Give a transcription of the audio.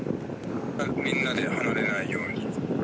みんなで離れないように。